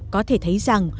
có thể thấy rằng